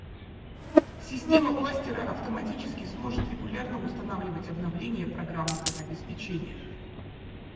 Система кластера автоматически сможет регулярно устанавливать обновления программного обеспечения